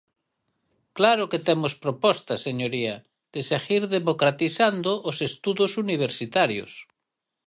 Claro que temos propostas, señoría, de seguir democratizando os estudos universitarios.